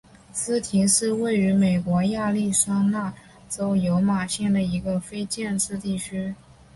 斯廷是位于美国亚利桑那州尤马县的一个非建制地区。